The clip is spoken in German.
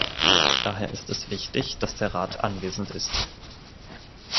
Daher ist es wichtig, dass der Rat anwesend ist.